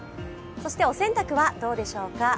お洗濯はどうでしょうか。